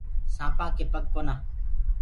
سآنپآ ڪي پگ ڪونآ۔